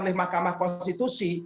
oleh mahkamah konstitusi